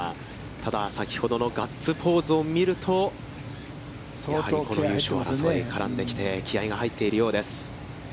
ただ、先ほどのガッツポーズを見ると、やはり優勝争い絡んできて気合いが入っているようです。